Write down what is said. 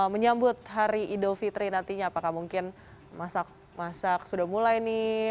menyambut hari idul fitri nantinya apakah mungkin masak masak sudah mulai nih